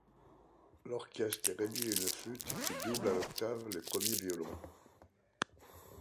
L'orchestre est réduit à une flûte qui double à l'octave les premiers violons.